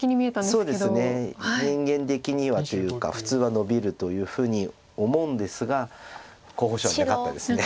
そうですね人間的にはというか普通はノビるというふうに思うんですが候補手はなかったです。